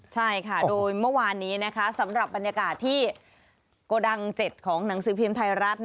ใช่ค่ะโดยเมื่อวานนี้สำหรับบรรยากาศที่โกดัง๗ของหนังสือพิมพ์ไทยรัฐ